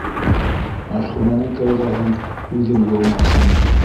Мәрхүмәнең кәүҙәһен үҙем йыумаҡсымын.